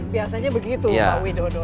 biasanya begitu pak widodo